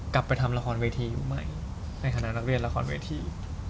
กลับไปทำละครเวทียุคใหม่ในคณะนักเรียนละครเวที